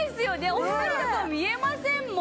お二人の顔見えませんもん。